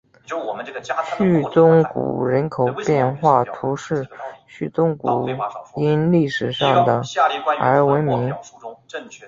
叙宗谷人口变化图示叙宗谷因历史上的而闻名。